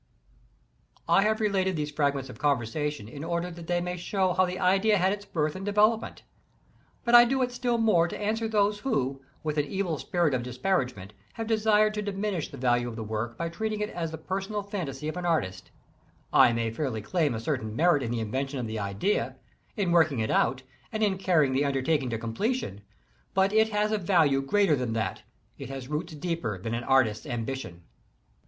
I have related these fragments of conversation, in order that they may show how the idea had its birth and devel opment; but I do it still more to answer those who, with an evil spirit of disparagement, have desired to diminish the value of the work by treating it as the personal fan tasy of an artist I may fairly claim a certain merit in the invention of the idea, in working it out and in carrying the undertaking to completion; but it has a value greater than that; it has roots deeper than an artists ambition.